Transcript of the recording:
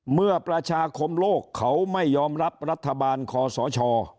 เมื่อประชาคมโลกเขาไม่ยอมรับรัฐบาลคอสช